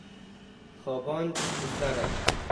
خواباند تو سرم